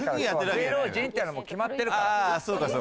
芸能人っていうのは決まってるから。